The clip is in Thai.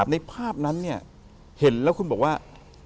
ในภาพนั้นเห็นแล้วคุณบอกว่า